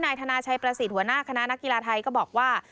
นายธนาชัยประสิทธิ์หัวหน้าคณะนักกีฬาไทยก็บอกว่า